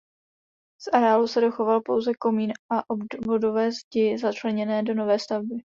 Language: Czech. Z areálu se dochoval pouze komín a obvodové zdi začleněné do nové stavby.